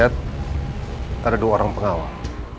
ada dua orang pengawal